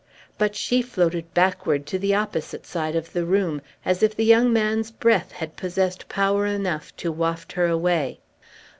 But she floated backward to the opposite side of the room, as if the young man's breath had possessed power enough to waft her away.